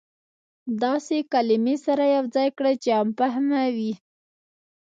داسې کلمې سره يو ځاى کړى چې عام فهمه وي.